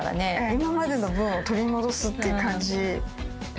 今までの分を取り戻すっていう感じで。